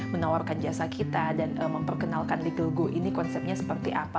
menawarkan jasa kita dan memperkenalkan legal go ini konsepnya seperti apa